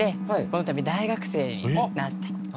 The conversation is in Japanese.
このたび大学生になって。